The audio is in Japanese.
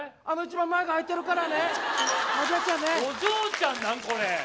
あの一番前が空いてるからお嬢ちゃんね。